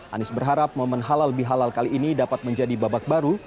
anies berharap momen halal bihalal kali ini dapat menjadi babak baru